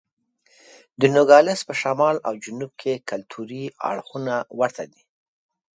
د نوګالس په شمال او جنوب کې کلتوري اړخونه ورته دي.